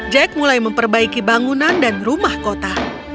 jack mulai memperbaiki bangunan dan rumah kota